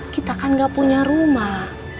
kita kan gak punya rumah